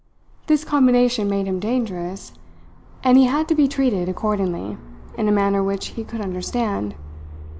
This combination made him dangerous, and he had to be treated accordingly, in a manner which he could understand.